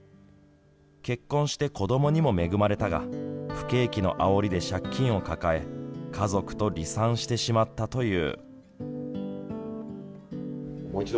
結婚して、子どもにも恵まれたが不景気のあおりで借金を抱え家族と離散してしまったという。